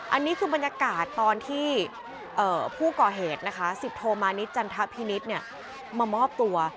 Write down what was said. อันนี้คือบรรยากาศตอนที่ผู้ก่อเหตุนะคะสิบโทมานิดจันทพินิษฐ์มามอบตัว